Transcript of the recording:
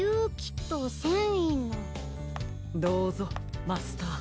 どうぞマスター。